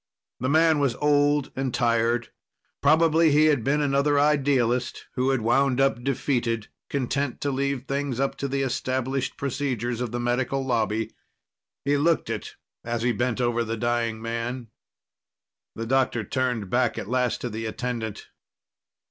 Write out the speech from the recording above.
The man was old and tired. Probably he had been another idealist who had wound up defeated, content to leave things up to the established procedures of the Medical Lobby. He looked it as he bent over the dying man. The doctor turned back at last to the attendant.